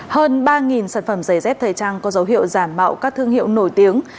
hơn ba sản phẩm giấy dép thời trang có dấu hiệu giảm mạo các thương hiệu nổi tiếng